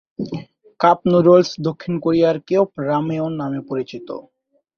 Cup noodles দক্ষিণ কোরিয়ায় "কেওপ-রাময়েয়ন" নামে পরিচিত।